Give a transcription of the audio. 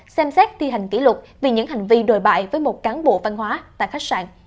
xem xét thi hành kỷ luật vì những hành vi đồi bại với một cán bộ văn hóa tại khách sạn